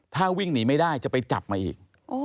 ถ้าวิ่งหนีไม่ได้จะไปจับมาอีก